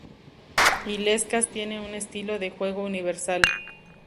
Illescas tiene un estilo de juego universal.